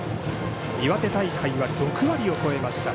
岩手大会は６割を超えました。